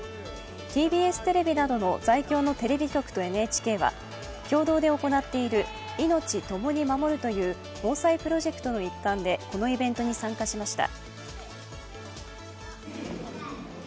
ＴＢＳテレビなどの在京のテレビ局とＮＨＫは、共同で行っている「＃いのちともに守る」という防災プロジェクトに一環でこのイベントに参加しました。